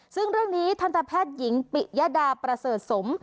ซึ่งเรื่องนี้ทันตแพทย์หญิงปิยดาประเสริฐสม